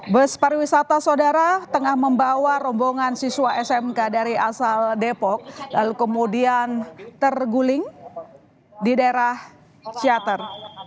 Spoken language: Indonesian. bus pariwisata saudara tengah membawa rombongan siswa smk dari asal depok lalu kemudian terguling di daerah ciater